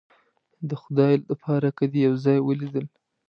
د خدای د پاره که دې یو ځای ولیدل